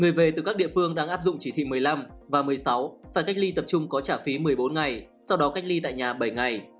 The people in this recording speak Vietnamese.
người về từ các địa phương đang áp dụng chỉ thị một mươi năm và một mươi sáu phải cách ly tập trung có trả phí một mươi bốn ngày sau đó cách ly tại nhà bảy ngày